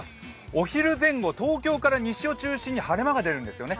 お昼前後、東京から西を中心に晴れ間が出るんですね。